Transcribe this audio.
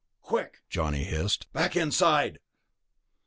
"Quick," Johnny hissed, "back inside!"